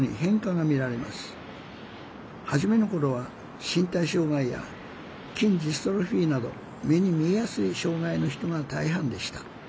初めの頃は身体障害や筋ジストロフィーなど目に見えやすい障害の人が大半でした。